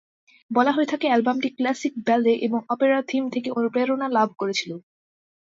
বলা হয়ে থাকে অ্যালবামটি ক্লাসিক ব্যালে এবং অপেরা থিম থেকে অনুপ্রেরণা লাভ করেছিল।